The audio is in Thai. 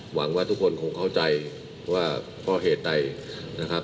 หวังว่าทุกคนคงเข้าใจว่าเพราะเหตุใดนะครับ